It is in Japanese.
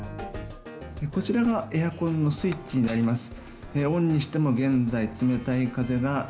こちらがエアコンのスイッチです。